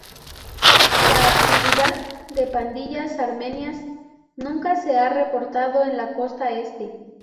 La actividad de pandillas armenias nunca se ha reportado en la Costa Este.